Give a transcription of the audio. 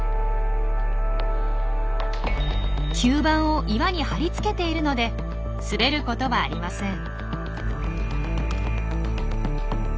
吸盤を岩に張り付けているので滑ることはありません。